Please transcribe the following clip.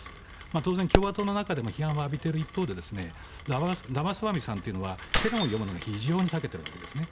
当然、共和党の中でも批判を浴びている一方でラマスワミさんというのは世論を読むのに非常にたけているわけですね。